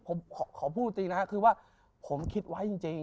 ผมขอพูดตรีนะผมคิดไว้จริง